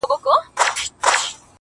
وه كلي ته زموږ راځي مـلـنگه ككـرۍ”